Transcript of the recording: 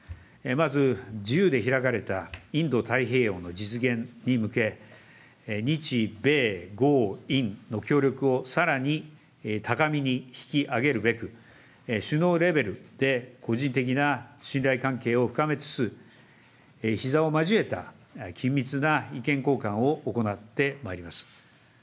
まず自由で開かれたインド太平洋の実現に向け、日・米・豪・印の協力をさらに高みに引き上げるべく、首脳レベルで個人的な信頼関係を深めつつ、ひざを交えた緊密な意見交換を行ってまいります。